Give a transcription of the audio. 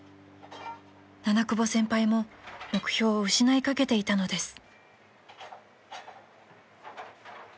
［七久保先輩も目標を失いかけていたのです］